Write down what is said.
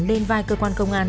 lên vai cơ quan công an